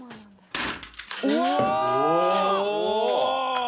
お！